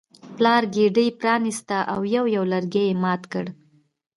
پلار ګېډۍ پرانیسته او یو یو لرګی یې مات کړ.